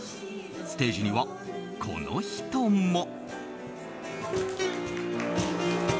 ステージには、この人も。